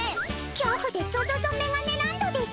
恐怖でゾゾゾメガネランドです？